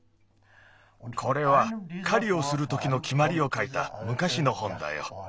これはかりをするときのきまりをかいたむかしの本だよ。